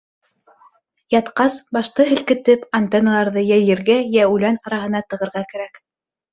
Ятҡас, башты һелкетеп антенналарҙы йә ергә, йә үлән араһына тығырға кәрәк.